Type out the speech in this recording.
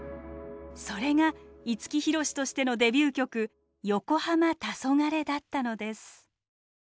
それが五木ひろしとしてのデビュー曲「よこはま・たそがれ」だったのです。